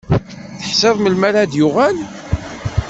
Teḥṣiḍ melmi ara d-yuɣal?